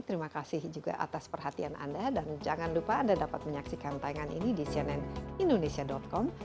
terima kasih juga atas perhatian anda dan jangan lupa anda dapat menyaksikan tayangan ini di cnnindonesia com